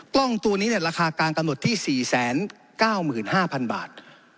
กล้องตัวนี้ราคากลางกำหนดที่๔๙๕๐๐๐บาท